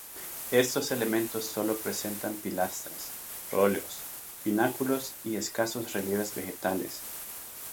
Estos elementos solo presentan pilastras, roleos, pináculos y escasos relieves vegetales.